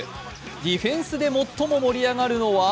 ディフェンスで最も盛り上がるのは？